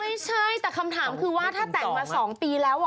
ไม่ใช่แต่คำถามคือว่าถ้าแต่งมา๒ปีแล้ว